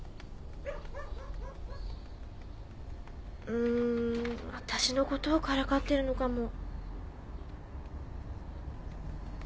うん私のことをからかってるのかも。